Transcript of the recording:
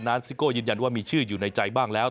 ซิโก้ยืนยันว่ามีชื่ออยู่ในใจบ้างแล้ว